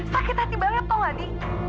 sakit hati banget tau gak di